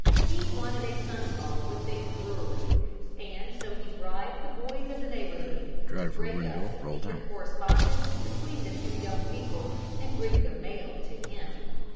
He wanted a son in law with a brewery; and so he bribed the boys of the neighborhood to break up a secret correspondence between the two young people and bring the mail to him.